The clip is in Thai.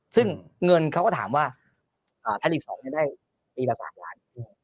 ซึ่งเงินเขาก็ถามว่าธลิ็กที่สองได้ปีละ๓ล้าน